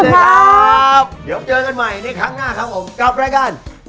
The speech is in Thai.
ขอให้บรรยากาศดีคนเลือกใสมั๊กปิดปากและให้มาใส่ใจน้องเกศแทนค่ะ